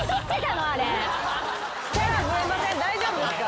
大丈夫ですか？